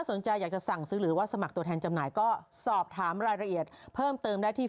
สนใจอยากจะสั่งซื้อหรือว่าสมัครตัวแทนจำหน่ายก็สอบถามรายละเอียดเพิ่มเติมได้ที่